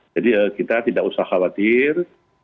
jadi kita tidak usah khawatir